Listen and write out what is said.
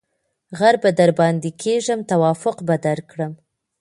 ـ غر به درباندې کېږم توافق به درکړم.